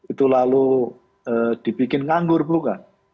itu lalu dibikin nganggur bukan